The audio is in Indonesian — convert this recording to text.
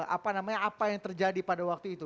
apa namanya apa yang terjadi pada waktu itu